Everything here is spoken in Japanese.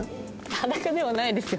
裸ではないですよ。